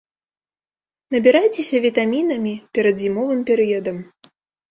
Набірайцеся вітамінамі перад зімовым перыядам.